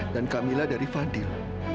dan kamilah dari fadil